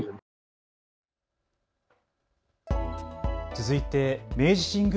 続いて明治神宮